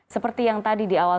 seperti yang tadi di awal